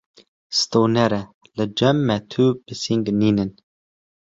Stonêrê: Li cem me tu pising nînin.